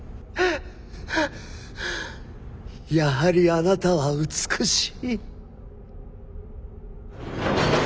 やはりあなたは美しい。